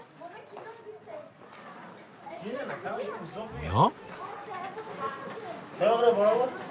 おや？